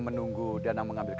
aku sudah berhenti